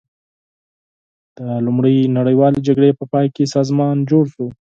د لومړۍ نړیوالې جګړې په پای کې سازمان جوړ شو.